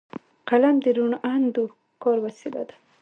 قلم د روڼ اندو کار وسیله ده